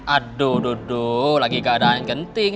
aduh duduk lagi keadaan genting